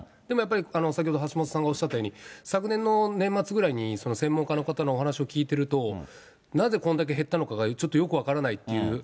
でもやっぱり、先ほど橋下さんがおっしゃったように、昨年の年末ぐらいに、専門家の方のお話を聞いてると、なぜこんだけ減ったのかがちょっとよく分からないっていう。